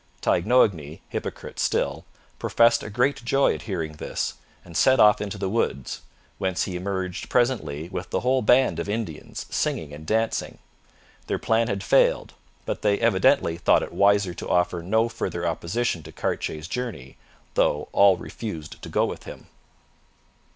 Taignoagny, hypocrite still, professed a great joy at hearing this, and set off into the woods, whence he emerged presently with the whole band of Indians, singing and dancing. Their plan had failed, but they evidently thought it wiser to offer no further opposition to Cartier's journey, though all refused to go with him.